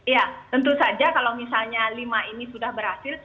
ya tentu saja kalau misalnya lima ini sudah berhasil